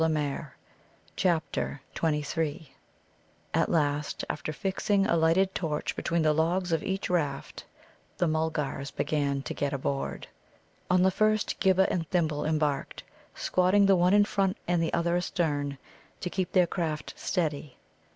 CHAPTER XXIII At last, after fixing a lighted torch between the logs of each raft, the Mulgars began to get aboard. On the first Ghibba and Thimble embarked, squatting the one in front and the other astern, to keep their craft steady.